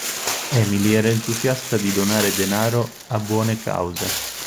Emily era entusiasta di donare denaro a buone cause.